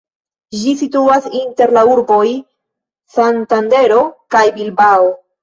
Ĝi situas inter la urboj Santandero kaj Bilbao.